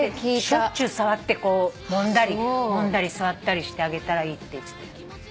しょっちゅう触ってもんだり触ったりしてあげたらいいって言ってた。